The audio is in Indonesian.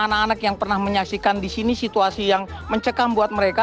anak anak yang pernah menyaksikan di sini situasi yang mencekam buat mereka